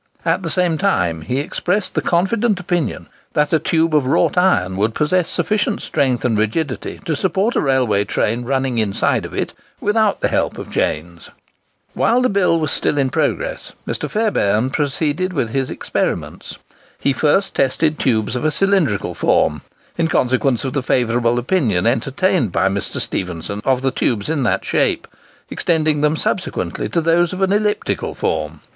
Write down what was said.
At the same time, he expressed the confident opinion that a tube of wrought iron would possess sufficient strength and rigidity to support a railway train running inside of it without the help of the chains. While the bill was still in progress, Mr. Fairbairn proceeded with his experiments. He first tested tubes of a cylindrical form, in consequence of the favourable opinion entertained by Mr. Stephenson of the tubes in that shape, extending them subsequently to those of an elliptical form.